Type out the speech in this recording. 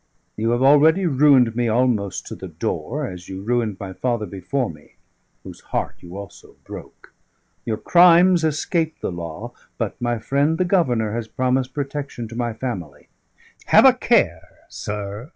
You have already ruined me almost to the door, as you ruined my father before me; whose heart you also broke. Your crimes escape the law; but my friend the Governor has promised protection to my family. Have a care, sir!"